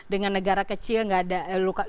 dengan negara kecil tidak ada